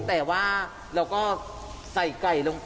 พี่บอกว่าบ้านทุกคนในที่นี่